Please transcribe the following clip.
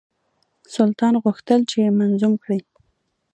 سلطان غوښتل چې منظوم کړي.